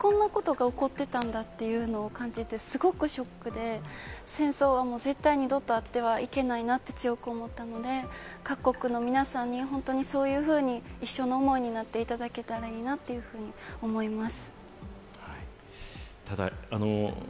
私は学校の授業で原爆資料館を見に行ったことがあるんですけれど、なんか本当にこんなことが起こってたんだっていうのを感じて、すごくショックで、戦争はもう絶対二度とあってはいけないなと強く思ったので、各国の皆さんに本当にそういうふうに一緒の思いになっていただけたらいいなと思います。